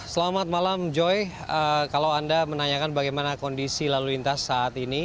selamat malam joy kalau anda menanyakan bagaimana kondisi lalu lintas saat ini